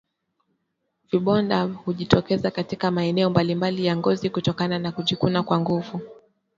Vidonda hujitokeza katika maeneo mbalimbali ya ngozi kutokana na kujikuna kwa nguvu